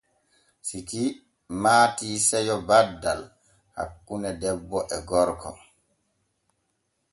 Siki maati seyo baddal hakkune debbo e gorko.